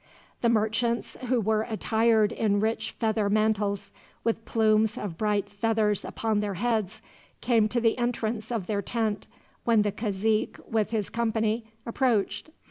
The merchants, who were attired in rich feather mantles, with plumes of bright feathers upon their heads, came to the entrance of their tent when the cazique, with his company, approached.